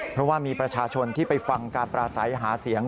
เพราะว่ามีประชาชนที่ไปฟังการปราศัยหาเสียง